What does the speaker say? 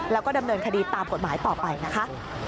แล้วก็ดำเนินคดีตามกฎหมายต่อไปนะคะ